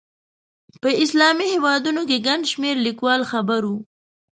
په اسلامي هېوادونو کې ګڼ شمېر لیکوال خبر وو.